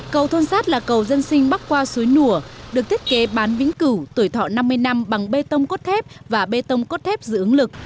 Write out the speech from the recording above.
cầu thôn sát là cầu dân sinh bắc qua suối nùa được thiết kế bán vĩnh cửu tuổi thọ năm mươi năm bằng bê tông cốt thép và bê tông cốt thép giữ ứng lực